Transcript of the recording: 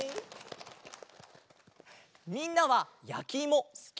みんなはやきいもすき？